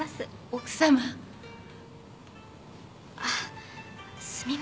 奥さま？あっすみません。